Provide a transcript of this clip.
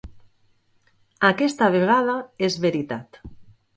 Aquesta vegada és veritat.